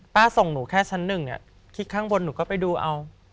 ป้าส่งหนูแค่ชั้นหนึ่งคลิกข้างบนหนูก็ไปดูเอา